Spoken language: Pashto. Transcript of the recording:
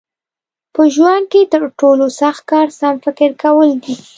په ژوند کې تر ټولو سخت کار سم فکر کول دي.